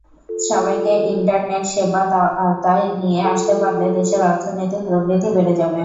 সবাইকে ইন্টারনেট সেবার আওতায় নিয়ে আসতে পারলে দেশের অর্থনৈতিক প্রবৃদ্ধি বেড়ে যাবে।